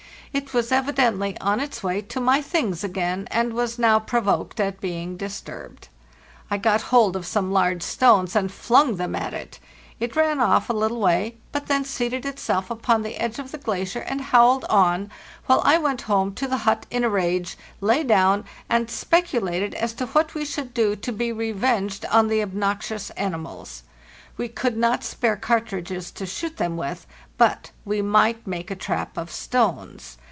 It was evidently on its way to my things again, and was now provoked at being disturbed. I got hold of some large stones and flung them at it. It ran off a little way, but then seated itself upon the edge of the glacier and howled on, while I went home to the hut in a rage, lay down, and speculated as to what we should do to be revenged on the obnoxious animals. We could not spare cartridges to shoot them with, but we might make a trap of stones.